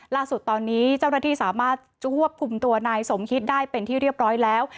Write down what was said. ล่าสุดตอนนี้เจ้าหน้าที่สามารถควบคุมตัวนายสมคิดได้เป็นที่เรียบร้อยแล้ว